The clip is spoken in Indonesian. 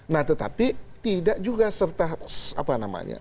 nah tetapi tidak juga serta apa namanya